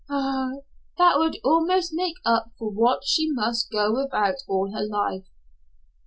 Ah, that would almost make up for what she must go without all her life.